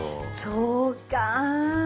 そうか。